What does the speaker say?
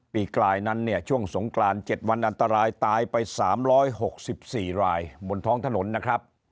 กลายนั้นเนี่ยช่วงสงกราน๗วันอันตรายตายไป๓๖๔รายบนท้องถนนนะครับ